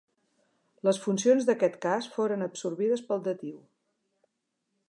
Les funcions d'aquest cas foren absorbides pel datiu.